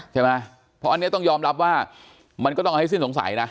ใช่ไหมเพราะอันนี้ต้องยอมรับว่ามันก็ต้องเอาให้สิ้นสงสัยนะ